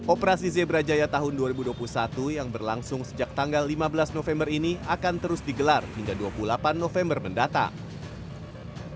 operasi zebra jaya tahun dua ribu dua puluh satu yang berlangsung sejak tanggal lima belas november ini akan terus digelar hingga dua puluh delapan november mendatang